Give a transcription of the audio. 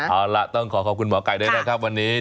เอาล่ะต้องขอขอบคุณหมอไก่ด้วยนะครับวันนี้